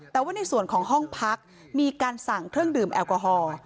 แต่ว่าในส่วนของห้องพักมีการสั่งเครื่องดื่มแอลกอฮอล์